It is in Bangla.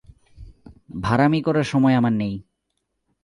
ভাঁড়ামি করবার সময় আমার নেই।